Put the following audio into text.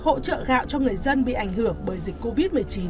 hỗ trợ gạo cho người dân bị ảnh hưởng bởi dịch covid một mươi chín